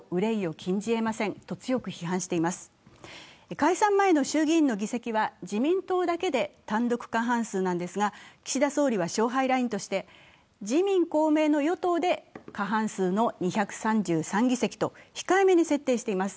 解散前の衆議院の議席は自民党だけで単独過半数なのですが、岸田総理は勝敗ラインとして自民・公明の与党で過半数の２３３議席と控えめに設定しています。